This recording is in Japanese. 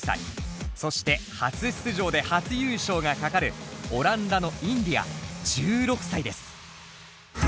そして初出場で初優勝がかかるオランダのＩｎｄｉａ１６歳です。